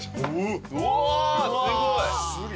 うわすごい！